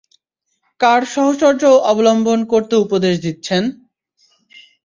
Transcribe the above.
কার সাহচর্য অবলম্বন করতে উপদেশ দিচ্ছেন?